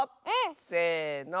せの。